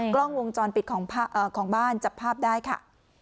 กล้องวงจรปิดของบ้านจับภาพได้ค่ะ